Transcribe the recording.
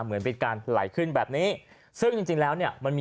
เหมือนเป็นการไหลขึ้นแบบนี้